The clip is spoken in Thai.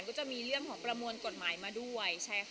ก็จะมีเรื่องของประมวลกฎหมายมาด้วย